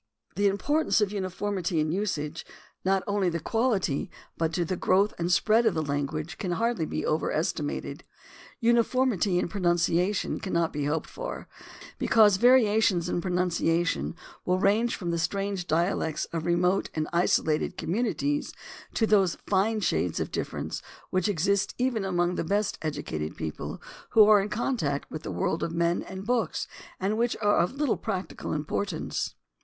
The importance of uniformity in usage, not only to the quahty, but to the growth and spread of the lan guage, can hardly be overestimated. Uniformity in pronimciation cannot be hoped for, because variations in pronunciation will range from the strange dialects of remote and isolated communities to those fine shades of difference which exist even among the best educated people who are in contact with the world of men and books and which are of little practical importance.